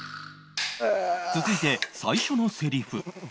続いて最初のセリフ